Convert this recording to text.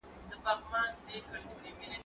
زه هره ورځ واښه راوړم!.